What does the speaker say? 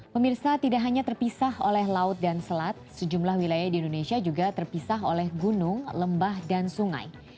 pemirsa tidak hanya terpisah oleh laut dan selat sejumlah wilayah di indonesia juga terpisah oleh gunung lembah dan sungai